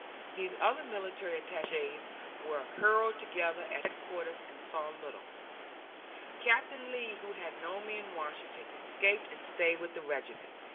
The other military attaches were herded together at headquarters and saw little. Captain Lee, who had known me in Washington, escaped and stayed with the regiment.